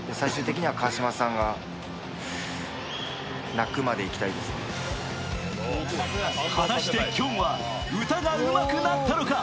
更に果たしてきょんは歌がうまくなったのか？